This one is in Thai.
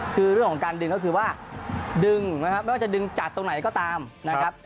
คือเรื่องของการดึงก็คือว่าดึงนะครับไม่ว่าจะดึงจัดตรงไหนก็ตามนะครับ